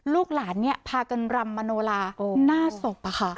ลูกหลานพากันรำมโนลาหน้าศพ